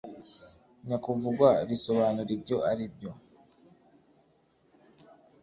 nyakuvugwa risobanura ibyo ari byo.